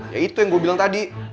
ya itu yang gue bilang tadi